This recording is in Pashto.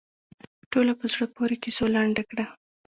ټوله په زړه پورې کیسو لنډه کړه.